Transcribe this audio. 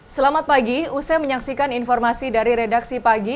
selamat pagi usai menyaksikan informasi dari redaksi pagi